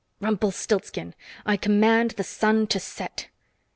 "Rumpelstilsken, I command the sun to set!"